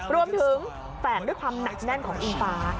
แฝงด้วยความหนักแน่นของอิงฟ้า